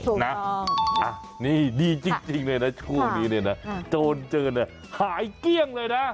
นะนี่ดีจริงเลยนะช่วงนี้เนี่ยนะโจรเจอเนี่ยหายเกลี้ยงเลยนะ